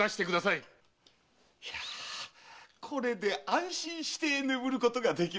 いやぁこれで安心して眠ることができます。